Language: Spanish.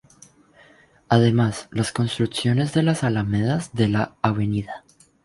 Además, las construcciones de las alamedas de la Av.